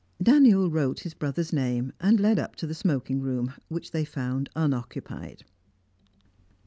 Daniel wrote his brother's name, and led up to the smoking room, which they found unoccupied.